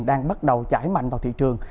đang bắt đầu chảy mạnh vào thị trường